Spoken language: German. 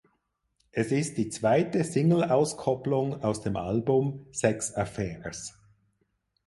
Es ist die zweite Singleauskopplung aus dem Album "Sex Affairs".